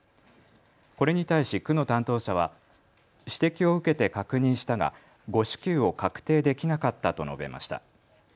これに対し区の担当者は指摘を受けて確認したが誤支給を確定できなかったと述べました。